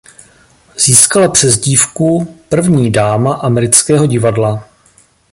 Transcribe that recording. Získala přezdívku „první dáma amerického divadla“.